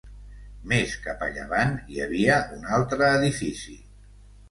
Més cap a llevant hi havia un altre edifici.